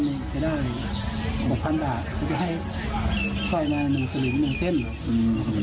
จะได้หกพันบาทก็จะให้สร้อยมาหนึ่งสลึงหนึ่งเส้นอืม